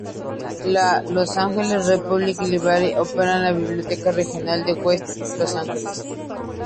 La Los Angeles Public Library opera la Biblioteca Regional de West Los Angeles.